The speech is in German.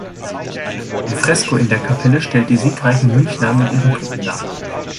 Ein Fresko in der Kapelle stellt die siegreichen Münchner mit ihren Truppen dar.